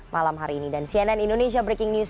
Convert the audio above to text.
malam hari ini dan cnn indonesia breaking news